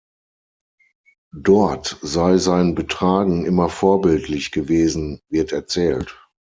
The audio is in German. Dort sei sein Betragen immer vorbildlich gewesen, wird erzählt.